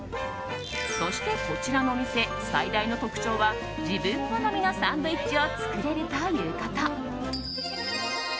そして、こちらのお店最大の特徴は自分好みのサンドイッチを作れるということ。